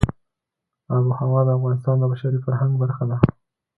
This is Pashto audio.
آب وهوا د افغانستان د بشري فرهنګ برخه ده.